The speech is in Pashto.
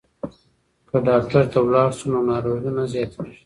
که ډاکټر ته لاړ شو نو ناروغي نه زیاتیږي.